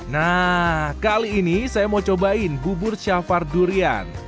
nah kali ini saya mau cobain bubur syafar durian